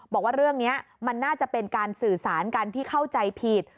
บอกว่าเรื่องนี้มันน่าจะเป็นการสื่อสารกันที่เข้าใจผิด